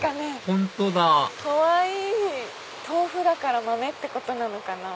本当だ豆腐だから豆ってことなのかな。